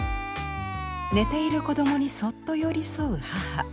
寝ている子どもにそっと寄り添う母。